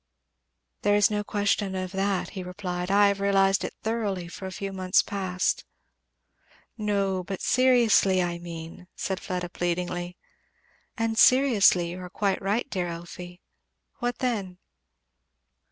"There is no question of that," he replied. "I have realized it thoroughly for a few months past." "No, but seriously, I mean," said Fleda pleadingly. "And seriously you are quite right, dear Elfie. What then?"